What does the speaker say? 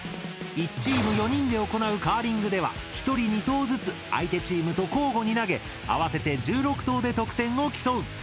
１チーム４人で行うカーリングでは１人２投ずつ相手チームと交互に投げ合わせて１６投で得点を競う。